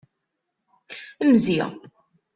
Mzi.